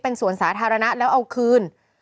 เป็นสวนสาธารณะแล้วเอาคืน